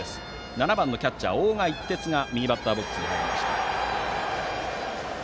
７番のキャッチャー大賀一徹が右バッターボックスに入りました。